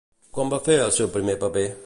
Quan va fer el seu primer paper?